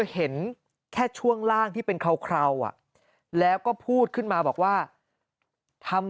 เห็นแค่ช่วงล่างที่เป็นเคราวแล้วก็พูดขึ้นมาบอกว่าทำ